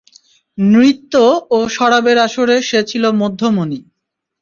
নৃত্য এবং শরাবের আসরের সে ছিল মধ্যমণি।